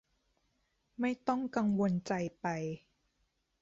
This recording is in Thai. ไม่ต้องกังวลใจไป